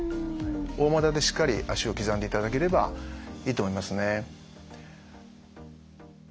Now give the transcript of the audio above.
大股でしっかり足を刻んでいただければいいと思いますね。